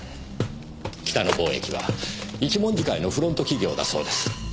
北野貿易は一文字会のフロント企業だそうです。